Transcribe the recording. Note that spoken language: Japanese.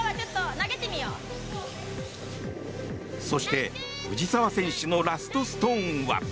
そして藤澤選手のラストストーンは。